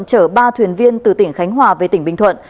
chở ba thuyền viên từ tỉnh khánh hòa về tỉnh bình thuận